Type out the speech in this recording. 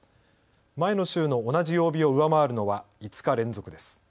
前の週の同じ曜日を上回るのは５日連続です。